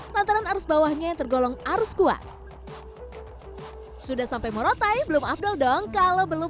lantaran arus bawahnya yang tergolong arus kuat sudah sampai morotai belum afdol dong kalau belum